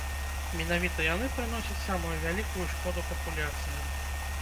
Менавіта яны прыносяць самую вялікую шкоду папуляцыям.